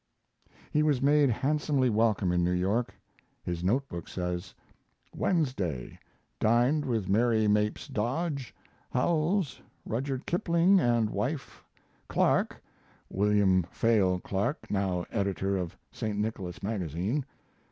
He was made handsomely welcome in New York. His note book says: Wednesday. Dined with Mary Mapes Dodge, Howells, Rudyard Kipling & wife, Clarke, [ William Fayal Clarke, now editor of St. Nicholas Magazine.